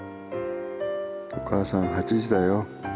おかあさん８時だよ。